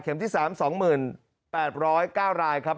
เข็มที่๓๒๐๘๐๙รายครับ